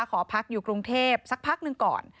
ขอพักอยู่กรุงเทพสักพักหนึ่งก่อน